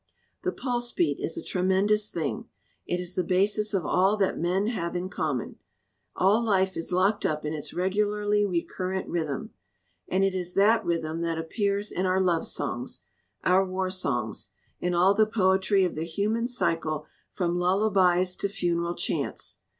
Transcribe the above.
"The pulse beat is a tremendous thing. It is the basis of all that men have in common. All life is locked up in its regularly recurrent rhythm. And it is that rhythm that appears in our love songs, our war songs, in all the poetry of the human cycle from lullabies to funeral chants.